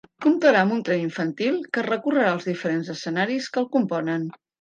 Comptarà amb un tren infantil que recorrerà els diferents escenaris que el componen.